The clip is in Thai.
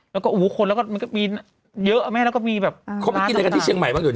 แล้วมันก็มีเยอะเลยครับ